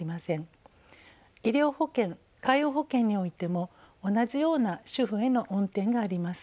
医療保険介護保険においても同じような主婦への恩典があります。